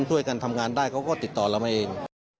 ช่วยกันทำงานได้เขาก็ติดต่อเรามาเอง